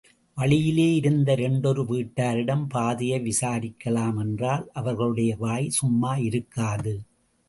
வழியிலே இருந்த இரண்டொரு வீட்டாரிடம் பாதையை விசாரிக்கலாம் என்றால் அவர்களுடைய வாய் கம்மா இருக்காது.